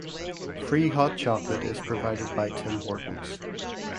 Free hot chocolate is provided by Tim Hortons.